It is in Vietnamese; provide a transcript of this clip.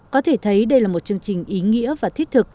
có thể thấy đây là một chương trình ý nghĩa và thiết thực